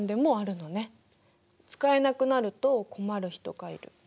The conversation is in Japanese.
使えなくなると困る人がいる。